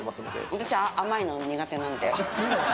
私、甘いの苦手なので。